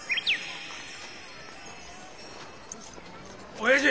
おやじ！